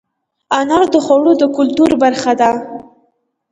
انار د خوړو د کلتور برخه ده.